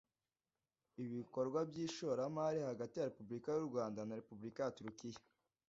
ibikorwa by ishoramari hagati ya Repubulika y u Rwanda na Repubulika ya Turikiya